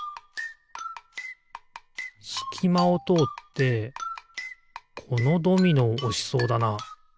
すきまをとおってこのドミノをおしそうだな。